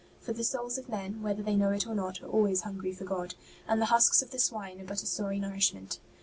For the souls of men, whether they know it or not, are always hungry for God, and the husks of the swine are but a sorry nourishment.